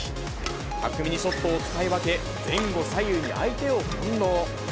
巧みにショットを使い分け、前後左右に相手を翻弄。